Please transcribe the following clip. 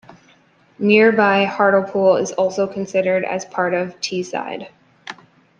Nearby Hartlepool is also sometimes considered as part of Teesside.